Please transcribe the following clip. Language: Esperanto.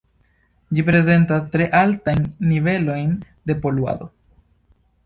Ĝi prezentas tre altajn nivelojn de poluado.